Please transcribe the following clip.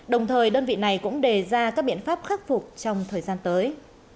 đồng thời đơn vị này cũng đề ra các biện pháp khắc phục trong thời gian tới